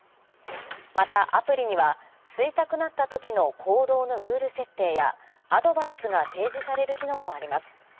また、アプリには吸いたくなったときの行動のルール設定やアドバイスが提示される機能もあります。